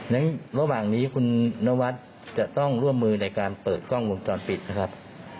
ระหว่างนี้คุณนวัดจะต้องร่วมมือในการเปิดกล้องวงจรปิดนะครับ